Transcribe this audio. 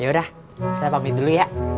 yaudah saya pamit dulu ya